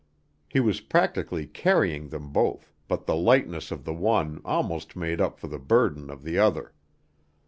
He was practically carrying them both, but the lightness of the one almost made up for the burden of the other.